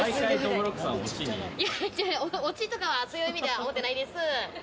オチとかそういう意味では思ってないです。